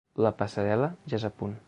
La passarel·la ja es a punt.